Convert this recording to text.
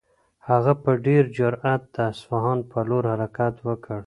هغه په ډېر جرئت د اصفهان په لور حرکت وکړ.